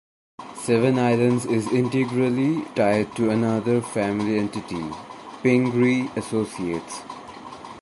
Seven Islands is integrally tied to another family entity, Pingree Associates.